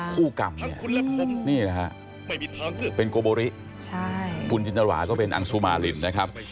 คู่กรรมนี่นะฮะเป็นโกโบริคุณจินตราก็เป็นอังสุมารินนะครับ